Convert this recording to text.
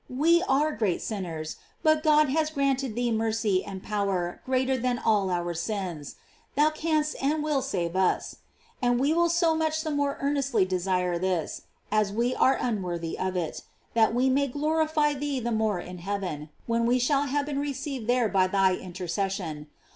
We are great sinners, but God has granted thee mercy and power great er than all our sins. Thou canst and wilt save us; and we will so much the more earnestly de sire this, as we are unworthy of it, that we may glorify thee the more in heaven, when we shall have been received there by thy intercession.